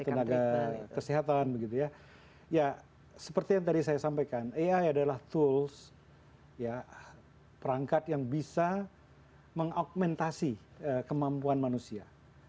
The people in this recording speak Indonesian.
tenaga kesehatan begitu ya seperti yang tadi saya sampaikan ai adalah tools perangkat yang bisa mengaugmentasi kemampuan manusia